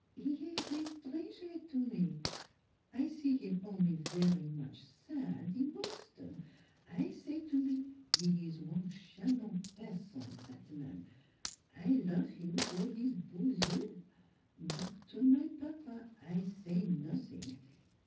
" He ees etranger to me; I see him only vary much sad in Bos ton. I say to me, ' He is one charmant person; zat man. I lofe him for his beaux yeux.' But to my papa I say nos sing.